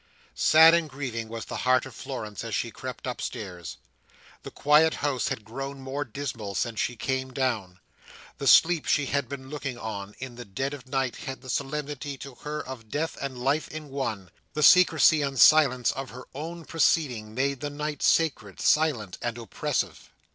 Sad and grieving was the heart of Florence, as she crept upstairs. The quiet house had grown more dismal since she came down. The sleep she had been looking on, in the dead of night, had the solemnity to her of death and life in one. The secrecy and silence of her own proceeding made the night secret, silent, and oppressive.